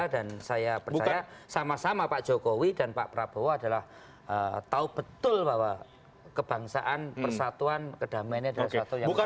dan saya percaya sama sama pak jokowi dan pak prabowo adalah tahu betul bahwa kebangsaan persatuan kedamaiannya adalah sesuatu yang berat